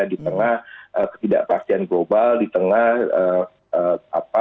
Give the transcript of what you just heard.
di tengah ketidakpastian global di tengah apa